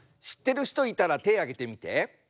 知ってる人いたら手上げてみて。